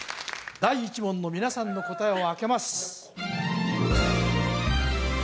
第１問の皆さんの答えをあけます